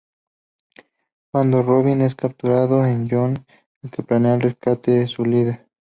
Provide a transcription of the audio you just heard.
Cuando Robin es capturado, es John el que planea el rescate de su líder.